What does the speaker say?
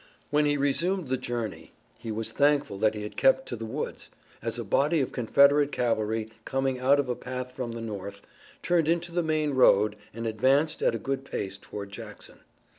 When he resumed the journey he was thankful that he had kept to the woods as a body of Confederate cavalry, coming out of a path from the north, turned into the main road and advanced at a good pace toward Jackson.